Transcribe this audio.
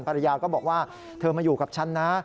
ภรรยาก็บอกว่าเธอมาอยู่กับฉันนะ